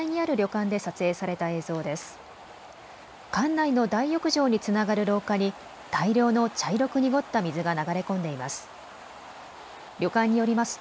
館内の大浴場につながる廊下に大量の茶色く濁った水が流れ込んでいます。